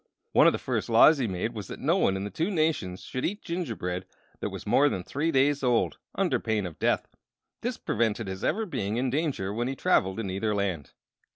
One of the first laws he made was that no one in the two nations should eat gingerbread that was more than three days old, under pain of death; this prevented his ever being in danger when he traveled in either land.